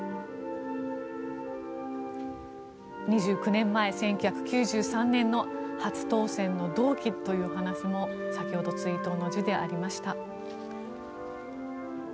２９年前１９９３年の初当選の同期という話も先ほど追悼の辞でありました。